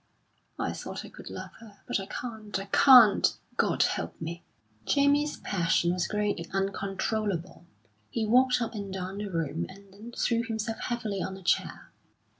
I thought I could love her, but I can't I can't, God help me!" Jamie's passion was growing uncontrollable. He walked up and down the room, and then threw himself heavily on a chair.